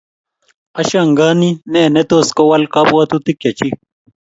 ashangani ne netos kowal kabwatutik chechik